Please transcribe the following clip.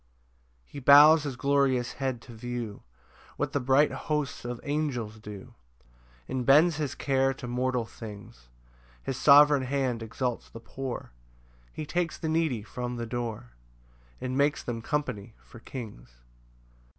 3 He bows his glorious head to view What the bright hosts of angels do, And bends his care to mortal things; His sovereign hand exalts the poor, He takes the needy from the door, And makes them company for kings.